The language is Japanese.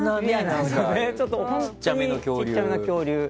本当に、ちっちゃな恐竜。